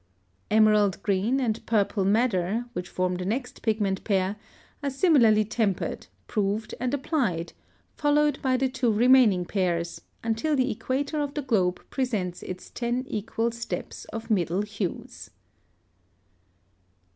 Emerald Green and Purple Madder, which form the next pigment pair, are similarly tempered, proved, and applied, followed by the two remaining pairs, until the equator of the globe presents its ten equal steps of middle hues.